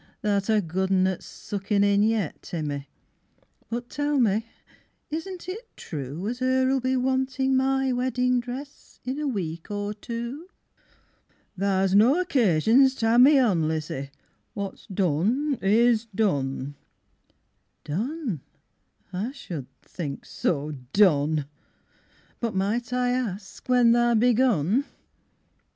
Tha'rt a good un at suckin in yet, Timmy; But tell me, isn't it true As 'er'll be wantin' my weddin' dress In a week or two? Tha's no occasions ter ha'e me on Lizzie what's done is done! Done, I should think so Done! But might I ask when tha begun?